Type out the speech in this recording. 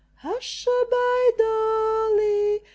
Hush a by, Dolly!